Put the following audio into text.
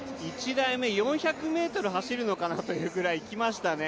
１台目４００ｍ走るのかなというぐらいいきましたね。